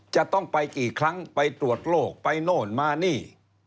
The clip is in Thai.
จะต้องไปกี่ครั้งไปตรวจโรคไปโน่นมานี่